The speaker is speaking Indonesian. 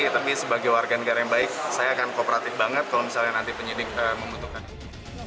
tapi sebagai warga negara yang baik saya akan kooperatif banget kalau misalnya nanti penyidik membutuhkan ini